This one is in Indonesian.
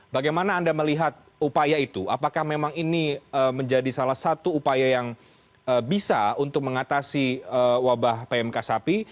bagaimana anda melihat upaya itu apakah memang ini menjadi salah satu upaya yang bisa untuk mengatasi wabah pmk sapi